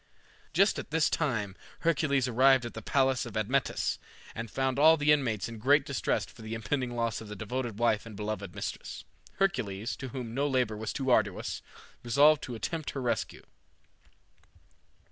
Just at this time Hercules arrived at the palace of Admetus, and found all the inmates in great distress for the impending loss of the devoted wife and beloved mistress. Hercules, to whom no labor was too arduous, resolved to attempt her rescue.